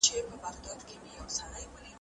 د امبولانس ډرېور ډېره بیړه لرله.